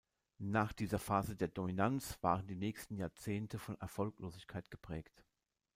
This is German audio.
Nach dieser Phase der Dominanz waren die nächsten Jahrzehnte von Erfolglosigkeit geprägt.